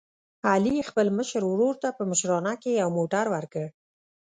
علي خپل مشر ورور ته په مشرانه کې یو موټر ور کړ.